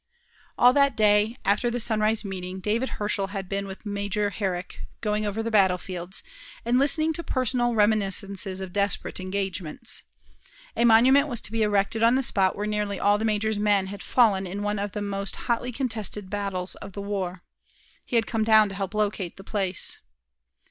All that day, after the sunrise meeting, David Herschel had been with Major Herrick, going over the battle fields, and listening to personal reminiscences of desperate engagements. A monument was to be erected on the spot where nearly all the major's men had fallen in one of the most hotly contested battles of the war. He had come down to help locate the place.